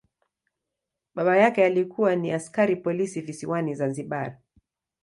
Baba yake alikuwa ni askari polisi visiwani Zanzibar.